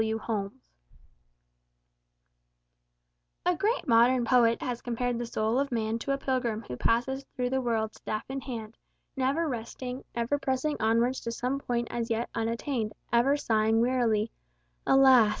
W. Holmes A great modern poet has compared the soul of man to a pilgrim who passes through the world staff in hand, never resting, ever pressing onwards to some point as yet unattained, ever sighing wearily, "Alas!